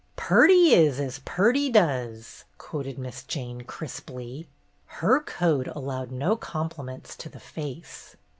"'Purty is as purty does,'" quoted Miss Jane, crisply. Her code allowed no compli ments to the face.